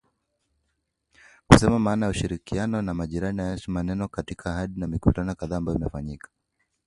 kusema maana ya ushirikiano na jirani anayeheshimu maneno na ahadi zake katika mikutano kadhaa ambayo imefanyika.